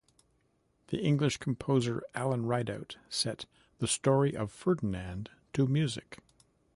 The English composer Alan Ridout set "The Story of Ferdinand" to music.